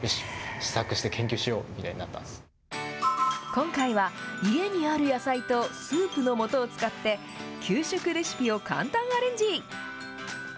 今回は、家にある野菜とスープのもとを使って給食レシピを簡単アレンジ。